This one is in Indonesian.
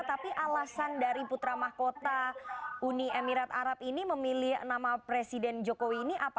tapi alasan dari putra mahkota uni emirat arab ini memilih nama presiden jokowi ini apa